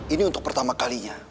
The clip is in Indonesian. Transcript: ini untuk pertama kalinya